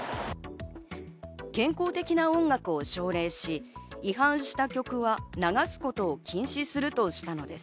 健康的な音楽を奨励し、違反した曲は流すことを禁止するとしたのです。